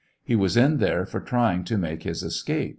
He was in there for trying to make his escape.